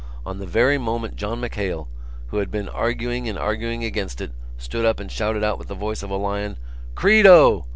On the very moment John MacHale, who had been arguing and arguing against it, stood up and shouted out with the voice of a lion: '_Credo!